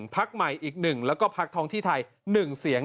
พักใหม่อีก๑แล้วก็พักท้องที่ไทย๑เสียง